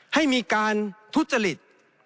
ให้มีการทุจริต